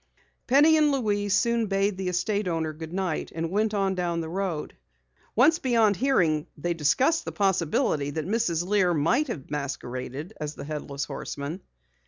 Penny and Louise soon bade the estate owner goodnight and went on down the road. Once beyond hearing they discussed the possibility that Mrs. Lear might have masqueraded as the Headless Horseman.